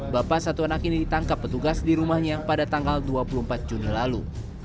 bapak satu anak ini ditangkap petugas di rumahnya pada tanggal dua puluh empat juni lalu